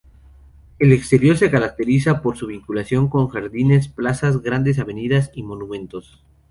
El exterior se caracteriza por su vinculación con jardines, plazas, grandes avenidas y monumentos.